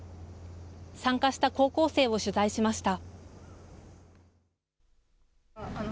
参加した高校生を取材しました。